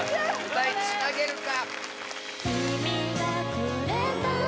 歌いつなげるか？